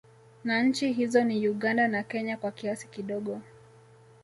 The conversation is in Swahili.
Na Nchi hizo ni Uganda na Kenya kwa kiasi kidogo